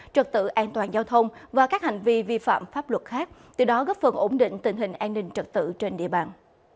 trật tự an toàn giao thông và các hành vi vi phạm pháp luật khác từ đó góp phần ổn định tình hình an ninh trật tự trên địa bàn